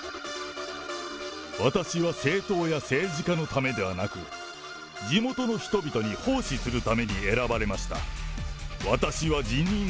私は政党や政治家のためではなく、地元の人々に奉仕するために選ばれました。